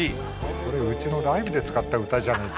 これうちのライブで使った歌じゃないか。